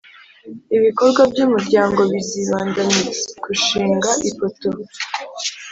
Ibikorwa by umuryango bizibanda mu gushinga ipoto